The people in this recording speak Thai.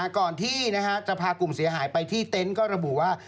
ก่อนที่จะพากลุ่มเสียหายไปที่เต็นต์ก็ระบุว่า